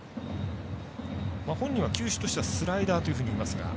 本人は球種としてはスライダーといいますが。